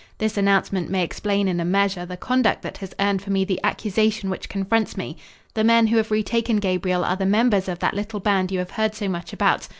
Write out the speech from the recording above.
This announcement may explain in a measure the conduct that has earned for me the accusation which confronts me. The men who have retaken Gabriel are the members of that little band you have heard so much about.